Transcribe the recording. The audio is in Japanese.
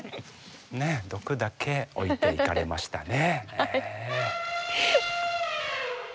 ねえ毒だけ置いていかれましたね。